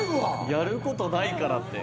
やる事ないからって。